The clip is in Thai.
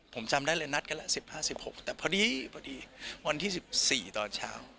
ผมจำได้เลยนัดกันละ๑๕๑๖แต่พอดีพอดีวันที่๑๔ตอนเช้า